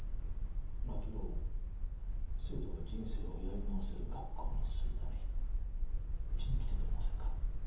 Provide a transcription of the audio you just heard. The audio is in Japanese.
槙尾を「生徒が人生をやり直せる学校」にするためにうちに来てくれませんか？